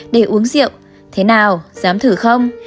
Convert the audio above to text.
để uống rượu thế nào dám thử không